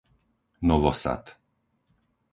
Novosad